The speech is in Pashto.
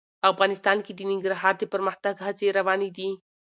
افغانستان کې د ننګرهار د پرمختګ هڅې روانې دي.